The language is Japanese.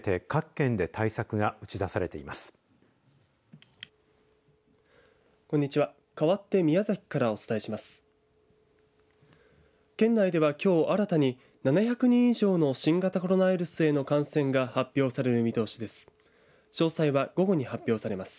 県内では、きょう新たに７００人以上の新型コロナウイルスへの感染が発表される見通しです。